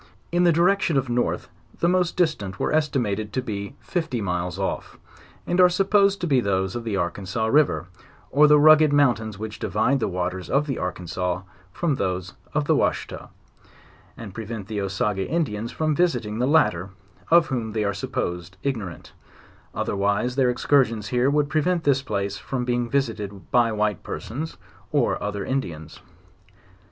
In the direction of north, the most distant were es timated to be fifty milas off, and. are supposed to be those of the Arkansas river, or the rugged mountains which divide the waters of the A rkansas from those of the Washita, and prevent the Osage Indians from visiting the latter, of whom they are supposed ignorant; otherwise their excursions here would prevent this place from being visited by white per sons, or other Indians.